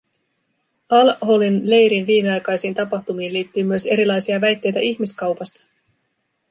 Al-Holin leirin viimeaikaisiin tapahtumiin liittyy myös erilaisia väitteitä ihmiskaupasta.